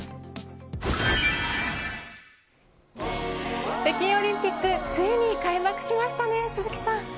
北京オリンピックついに開幕しましたね鈴木さん。